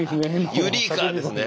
「ユリイカ！」ですね。